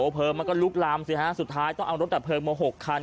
เพลิงมันก็ลุกลามสิฮะสุดท้ายต้องเอารถดับเพลิงมา๖คัน